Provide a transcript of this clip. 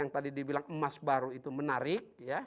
yang tadi dibilang emas baru itu menarik